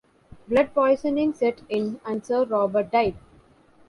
Blood poisoning set in and Sir Robert died.